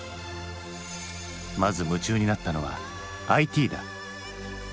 まず夢中になったのはＩＴだ。